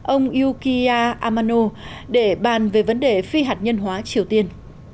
ông yuki amano để bàn về vấn đề phi hạt nhân hóa triều tiên